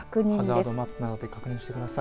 ハザードマップなどで確認してください。